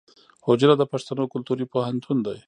حجره د پښتنو کلتوري پوهنتون دی.